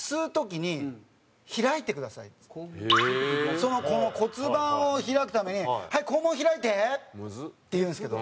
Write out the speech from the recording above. その骨盤を開くために「はい肛門開いて！！」って言うんですけど。